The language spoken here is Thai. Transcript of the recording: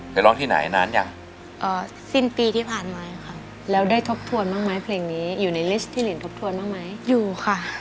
ร้องที่ไหนนานยังเอ่อสิ้นปีที่ผ่านมาค่ะแล้วได้ทบทวนบ้างไหมเพลงนี้อยู่ในลิสต์ที่ลินทบทวนบ้างไหมอยู่ค่ะ